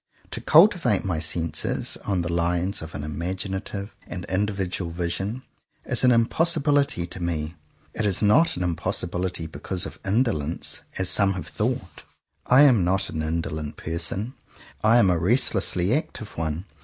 To cultivate my senses, on the lines of an imagi native and individual vision, is an impossi bility to me. It is not an impossibility because of indolence, as some have thought. I 127 CONFESSIONS OF TWO BROTHERS am not an indolent person; I am a restlessly active one.